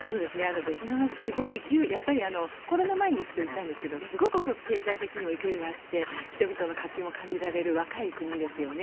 ベトナムはすごい勢いコロナ前に一度行ったんですがすごく経済的にも勢いがあって人々の活気も感じられる若い国ですよね。